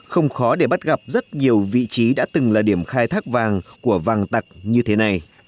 không khó để bắt gặp rất nhiều vị trí đã từng là điểm khai thác vàng của vàng tặc như thế này